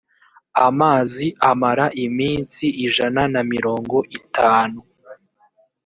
amazi amara iminsi ijana na mirongo itanu